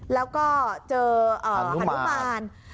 แล้วก็เจอฮานุมาน